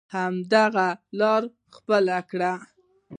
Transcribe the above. همدغه لاره خپله کړو.